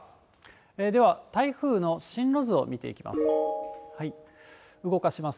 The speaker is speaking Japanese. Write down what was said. では台風の進路図を見ていきます。